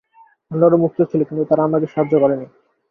অন্যরা মুক্ত ছিল কিন্তু তারা আমাকে সাহায্য করেনি।